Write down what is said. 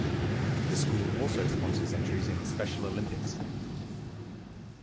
The school also sponsors entries in the Special Olympics.